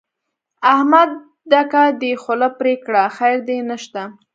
احمد ده که دې خوله پرې کړه؛ خير دې نه شته.